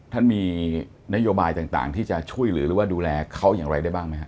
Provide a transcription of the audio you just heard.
ท่านมีนโยบายต่างที่จะช่วยหรือดูแลเขาอย่างไรได้บ้างมั้ยครับ